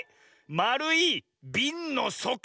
まるいびんのそこ！